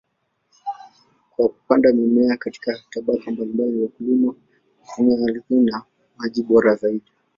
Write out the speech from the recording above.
Kwa kupanda mimea katika tabaka mbalimbali, wakulima hutumia ardhi na maji bora zaidi.